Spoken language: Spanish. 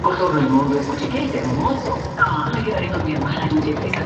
Las bayas son comestibles, ricas en vitamina C, y de sabor ácido.